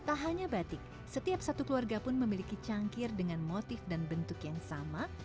tak hanya batik setiap satu keluarga pun memiliki cangkir dengan motif dan bentuk yang sama